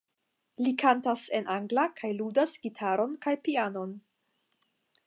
Li kantas en angla kaj ludas gitaron kaj pianon.